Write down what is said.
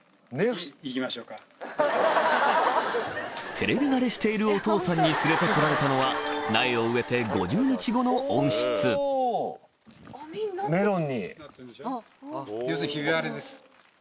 テレビ慣れしているお父さんに連れてこられたのは苗を植えて５０日後の温室なってるでしょう。